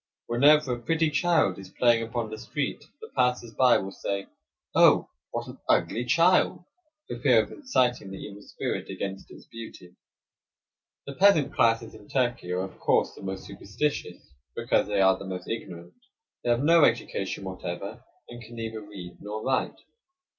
Whenever a pretty child is playing upon the street the passers by will say: "Oh, what an ugly child!" for fear of inciting the evil spirit against its beauty. The peasant classes in Turkey are of course the most superstitious because they are the most ignorant. They have no education whatever, and can neither read nor write.